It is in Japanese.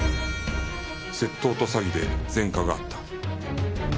窃盗と詐欺で前科があった